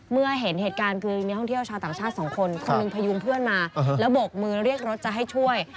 เมื่อเห็นเหตุการณ์คือมีท่องเที่ยวชาวต่างชาติสองคนคนหนึ่งพยุงเพื่อนมาแล้วโบกมือเรียกรถจะให้ช่วย